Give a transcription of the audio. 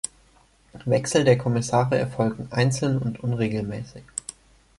Wechsel der Kommissare erfolgen einzeln und unregelmäßig.